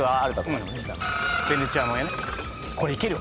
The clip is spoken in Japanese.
これいけるよ。